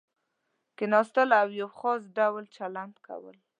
کېناستل او یو خاص ډول چلند کول.